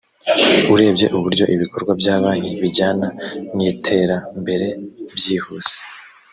urebye uburyo ibikorwa bya banki bijyana mwitera mbere byihuse